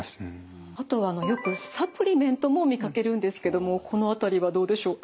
あとはあのよくサプリメントも見かけるんですけどもこの辺りはどうでしょうか。